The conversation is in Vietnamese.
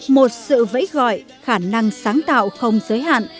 một sự vẫy gọi khả năng sáng tạo không giới hạn